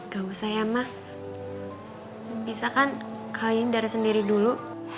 gak usah ya ma bisa kan kalian dari sendiri dulu